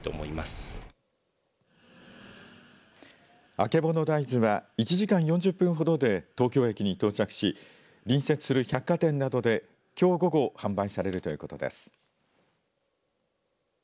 あけぼの大豆は１時間４０分ほどで東京駅に到着し隣接する百貨店などできょう午後販売されるということです。